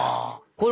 これ。